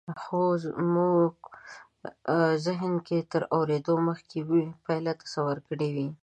خو مونږ زهن کې تر اورېدو مخکې پایله تصور کړې وي